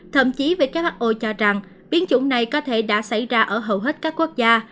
thậm chí who cho rằng biến chủng này có thể đã xảy ra ở hầu hết các quốc gia